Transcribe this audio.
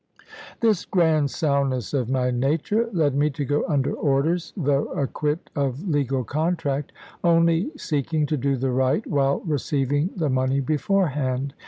This grand soundness of my nature led me to go under orders, though acquit of legal contract, only seeking to do the right while receiving the money beforehand.